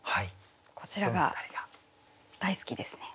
こちらが大好きですね。